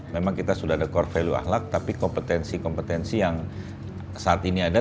memang kita sudah ada core value ahlak tapi kompetensi kompetensi yang saat ini ada